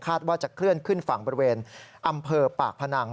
ว่าจะเคลื่อนขึ้นฝั่งบริเวณอำเภอปากพนัง